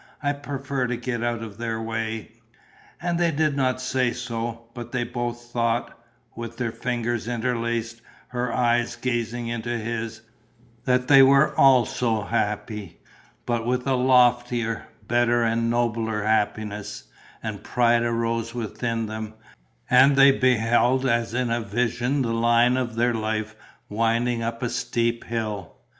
I prefer to get out of their way." And they did not say so, but they both thought with their fingers interlaced, her eyes gazing into his that they also were happy, but with a loftier, better and nobler happiness; and pride arose within them; and they beheld as in a vision the line of their life winding up a steep hill.